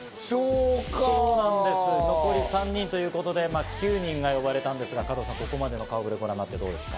残り３人ということで９人が呼ばれたんですが、ここまでの顔触れはどうですか？